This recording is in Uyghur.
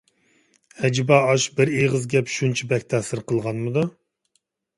ئەجەبا ئاشۇ بىر ئېغىز گەپ شۇنچە بەك تەسىر قىلغانمىدۇ؟